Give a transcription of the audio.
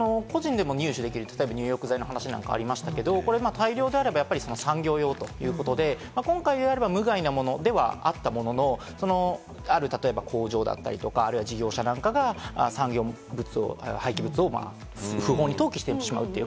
個人でも入手できる入浴剤の話なんかありましたけれども、大量であれば産業用ということで今回、無害なものではあったものの、例えば、ある工場だったり、ある事業者なんかが産業物を、廃棄物を不法に投棄してしまうという。